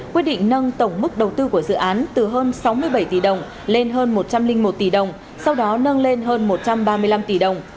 quyết định nâng tổng mức đầu tư của dự án từ hơn sáu mươi bảy tỷ đồng lên hơn một trăm linh một tỷ đồng sau đó nâng lên hơn một trăm ba mươi năm tỷ đồng